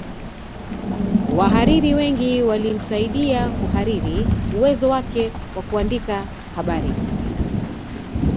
Wahariri wengi walimsaidia kuhariri uwezo wake wa kuandika habari